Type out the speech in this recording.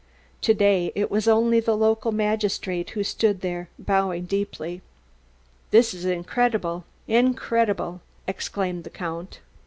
To day it was only the local magistrate who stood there, bowing deeply. "This is incredible, incredible!" exclaimed the Count.